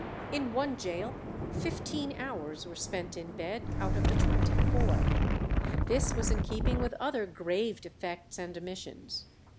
In one gaol fifteen hours were spent in bed out of the twenty four. This was in keeping with other grave defects and omissions.